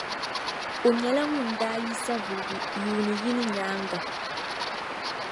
O nyɛla ŋun daa yi Savelugu yuuni yini nyaaŋa.